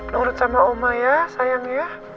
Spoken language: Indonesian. nurut sama oma ya sayang ya